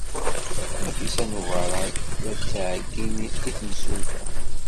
Nafisa n Ubeṛṛan tella tettɛeyyin i temsulta.